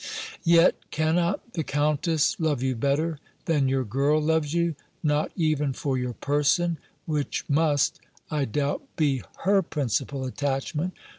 Yet cannot the Countess love you better than your girl loves you, not even for your person, which must, I doubt, be her principal attachment!